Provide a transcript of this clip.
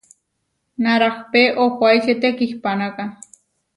Narahpé ohuáiče tekihpanáka.